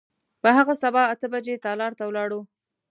په هغه سبا اته بجې تالار ته ولاړو.